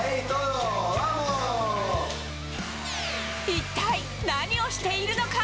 一体何をしているのか？